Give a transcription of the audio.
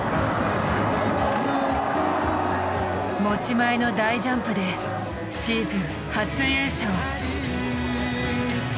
持ち前の大ジャンプでシーズン初優勝！